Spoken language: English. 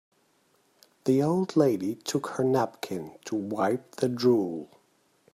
The old lady took her napkin to wipe the drool.